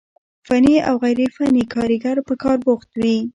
فني او غير فني کاريګر په کار بوخت وي،